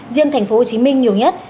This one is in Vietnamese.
riêng thành phố hồ chí minh nhiều nhất